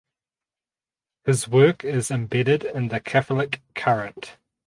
His work is embedded in the Catholic current.